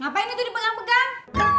ngapain itu dipegang pegang